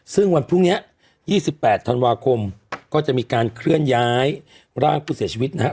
ซึ่งวันพรุ่งนี้๒๘ธันวาคมก็จะมีการเคลื่อนย้ายร่างผู้เสียชีวิตนะฮะ